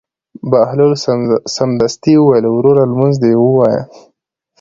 بهلول سمدستي وویل: وروره لمونځ دې ووایه.